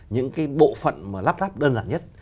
những bộ phận lắp đắp đơn giản nhất